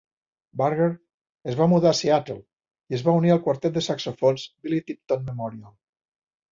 Barger es va mudar a Seattle i es va unir al Quartet de Saxofons Billy Tipton Memorial.